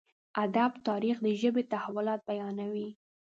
ادب تاريخ د ژبې تحولات بيانوي.